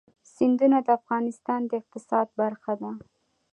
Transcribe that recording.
سیندونه د افغانستان د اقتصاد برخه ده.